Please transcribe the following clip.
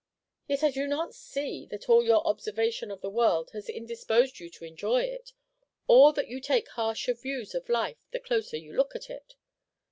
"Yet I do not see that all your observation of the world has indisposed you to enjoy it, or that you take harsher views of life the closer you look at it."